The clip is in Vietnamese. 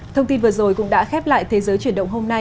thông tin vừa rồi cũng đã khép lại thế giới chuyển động hôm nay